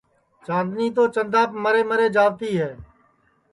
چاندنی تو چنداپ مرے مرے جاوتی ہے